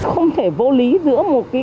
không thể vô lý giữa một cái